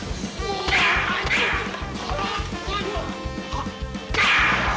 あっ！